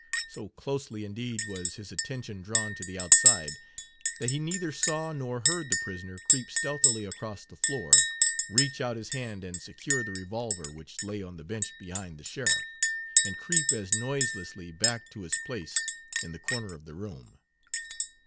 So closely, indeed, was his attention drawn to the outside, that he neither Page 80 saw nor heard the prisoner creep stealthily across the floor, reach out his hand and secure the revolver which lay on the bench behind the sheriff, and creep as noiselessly back to his place in the corner of the room.